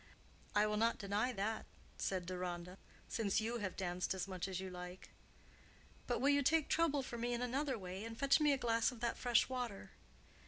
"I will not deny that," said Deronda, "since you have danced as much as you like." "But will you take trouble for me in another way, and fetch me a glass of that fresh water?"